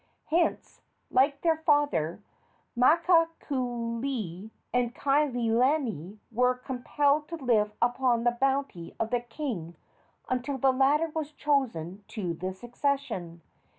Hence, like their father, Makakaualii and Kaikilani were compelled to live upon the bounty of the king until the latter was chosen to the succession.